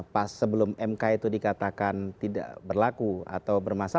pas sebelum mk itu dikatakan tidak berlaku atau bermasalah